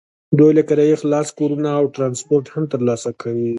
دوی له کرایې خلاص کورونه او ټرانسپورټ هم ترلاسه کوي.